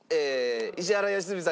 石原良純さん